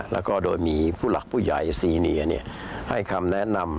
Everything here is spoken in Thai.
แล้วก็โดยมีผู้หลักผู้ใหญ่ซีเนียให้คำแนะนำ